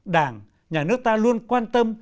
đảng nhà nước ta luôn quan tâm